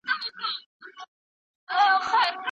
په بانکونو کي د پانګي راکد کيدو مخه د اصولو له لاري نيول کيږي.